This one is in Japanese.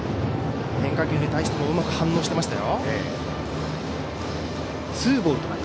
変化球に対してもうまく反応していましたよ。